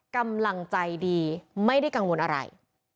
กำลังใจดีไม่ได้กังวลอะไร